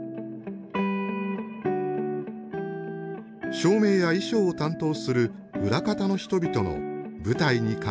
照明や衣装を担当する裏方の人々の舞台にかけるこだわり。